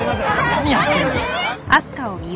何やってんだ。